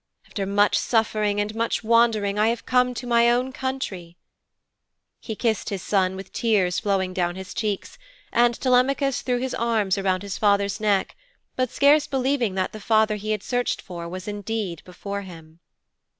After much suffering and much wandering I have come to my own country.' He kissed his son with tears flowing down his cheeks, and Telemachus threw his arms around his father's neck, but scarce believing that the father he had searched for was indeed before him.